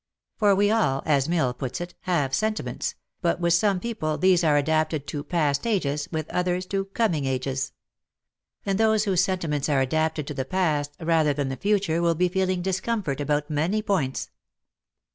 For we all, as Mill puts it, "have sentiments, but with some people these are adapted to past ages, with others to coming ages." And those whose sentiments are adapted to the past rather than the future will be feeling discomfort about many points.